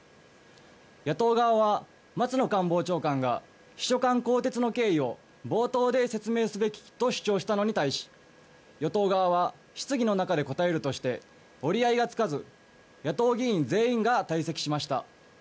野党側は、松野官房長官が秘書官更迭の経緯を冒頭で説明すべきと主張したのに対し与党側は質疑の中で答えるとして折り合いがつかず野党議員全員が退席しました。